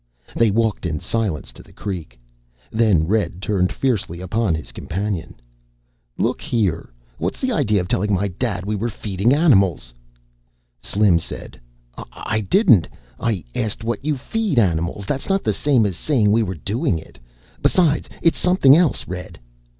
They walked in silence to the creek. Then Red turned fiercely upon his companion. "Look here, what's the idea of telling my Dad we were feeding animals?" Slim said, "I didn't. I asked what you feed animals. That's not the same as saying we were doing it. Besides, it's something else, Red."